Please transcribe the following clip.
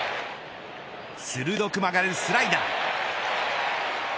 鋭く曲がるスライダー。